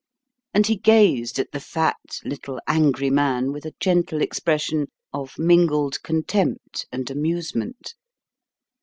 And he gazed at the fat little angry man with a gentle expression of mingled contempt and amusement.